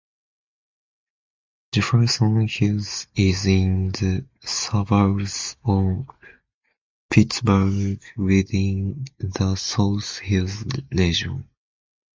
Jefferson Hills is in the suburbs of Pittsburgh within the South Hills region.